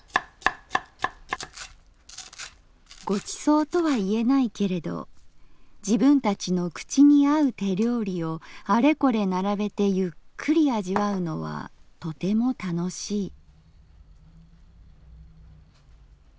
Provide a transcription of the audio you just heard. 「ご馳走とは言えないけれど自分たちの口にあう手料理をあれこれ並べてゆっくり味わうのはとても楽しい」。